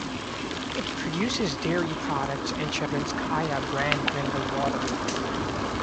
It produces dairy products and "Shadrinskaya" brand mineral water.